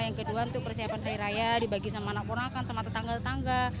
yang kedua itu persiapan perayaan dibagi sama anak anak sama tetangga tetangga